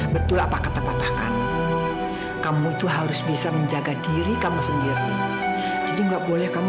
betul apa kata patah kamu kamu itu harus bisa menjaga diri kamu sendiri jadi enggak boleh kamu